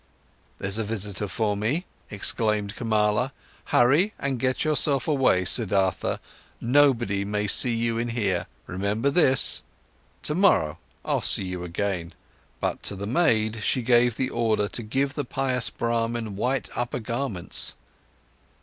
"There's a visitor for me," exclaimed Kamala. "Hurry and get yourself away, Siddhartha, nobody may see you in here, remember this! Tomorrow, I'll see you again." But to the maid she gave the order to give the pious Brahman white upper garments.